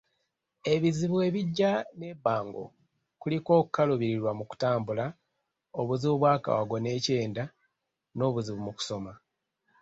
Ebizibu ebijja n'ebbango kuliko okukaluubirirwa mu kutambula, obuzibu bw'akawago n'ekyenda, n'obuzibu mu kusoma